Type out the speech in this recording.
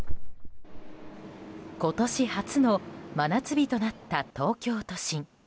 今年初の真夏日となった東京都心。